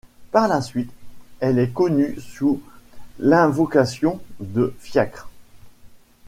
Par la suite, elle est connue sous l’invocation de Fiacre.